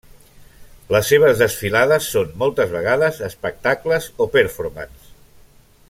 Les seves desfilades són, moltes vegades, espectacles o performances.